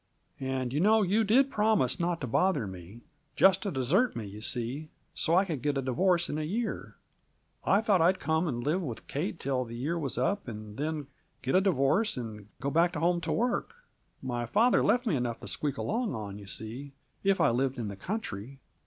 "And you know you did promise not to bother me just to desert me, you see, so I could get a divorce in a year. I thought I'd come and live with Kate till the year was up, and then get a divorce, and go back home to work. My father left me enough to squeak along on, you see, if I lived in the country.